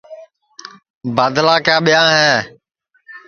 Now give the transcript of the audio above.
بادلا کا ٻیاں ہے